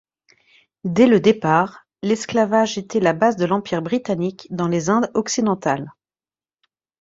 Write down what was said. Dès le départ, l'esclavage était la base de l'Empire britannique dans les Indes occidentales.